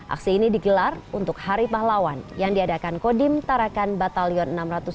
aksi ini digelar untuk hari pahlawan yang diadakan kodim tarakan batalion enam ratus dua belas